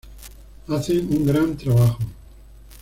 Hacen un gran trabajo".